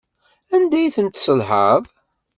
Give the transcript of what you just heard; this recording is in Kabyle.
Anda ay ten-tesselhaḍ?